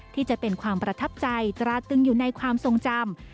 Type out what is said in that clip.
ที่จะเป็นความประทับใจตราตึงอยู่ในความทรงจำ